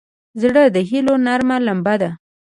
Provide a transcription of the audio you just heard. زړه د هيلو نرمه لمبه ده.